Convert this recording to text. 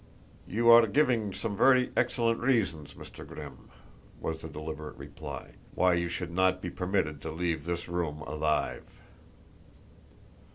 "You are giving some very excellent reasons, Mr. Grimm," was the deliberate reply, "why you should not be permitted to leave this room alive."